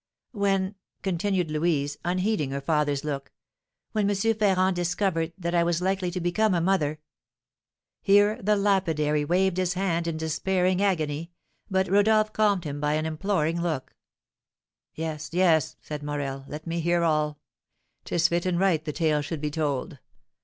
"When," continued Louise, unheeding her father's look, "when M. Ferrand discovered that I was likely to become a mother " Here the lapidary waved his hand in despairing agony, but Rodolph calmed him by an imploring look. "Yes, yes," said Morel, "let me hear all; 'tis fit and right the tale should be told.